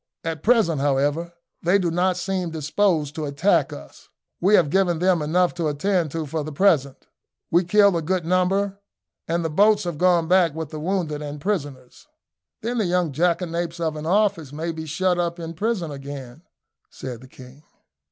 "At present, however, they do not seem disposed to attack us. We have given them enough to attend to for the present. We killed a good number, and the boats have gone back with the wounded and prisoners." "Then the young jackanapes of an officer may be shut up in prison again," said the king.